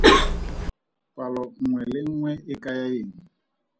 Palo nngwe le nngwe e kaya eng?